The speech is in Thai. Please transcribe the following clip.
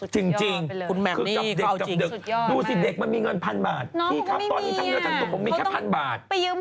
จริงคุณแม็กนี่เขาเอาจริงดูสิเด็กมันมีเงิน๑๐๐๐บาทพี่ครับตอนนี้ทำเงินทางตัวผมมีแค่๑๐๐๐บาท